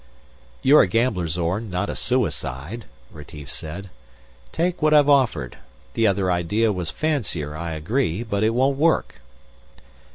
"You're a gambler, Zorn, not a suicide," Retief said. "Take what I've offered. The other idea was fancier, I agree, but it won't work."